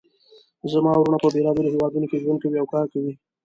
زما وروڼه په بیلابیلو هیوادونو کې ژوند کوي او کار کوي